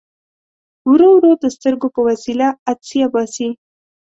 ورو ورو د سترګو په وسیله عدسیه باسي.